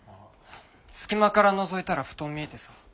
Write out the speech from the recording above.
隙間からのぞいたら布団見えてさ。